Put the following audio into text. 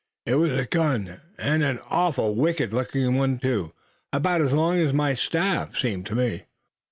"It was a gun, and an awful wicked looking one too, about as long as my staff, seemed to me."